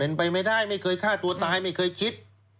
เป็นไปไม่ได้ไม่เคยฆ่าตัวตายไม่เคยคิด